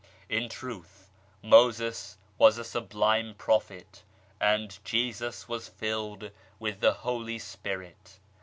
In truth, Moses was a sublime Prophet, and Jesus was filled with the Holy Spirit.